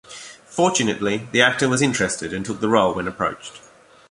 Fortunately the actor was interested and took the role when approached.